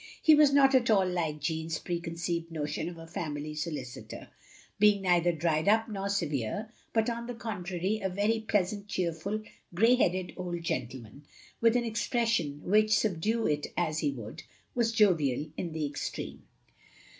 He was not at all like Jeanne's preconceived notion of a family solicitor ; being neither dried up nor severe, but on the contrary, a very pleasant, cheerful, grey headed old gentleman; with an expression which, subdue it as he would, was jovial in the extreme.